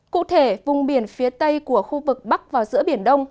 cụ thể vùng biển phía tây của khu vực bắc và giữa biển đông